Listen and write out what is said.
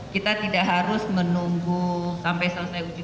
kita tidak harus menunggu sampai selesai uji